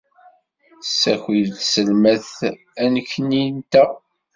Tessaki-d tselmadt annekni-nteɣ.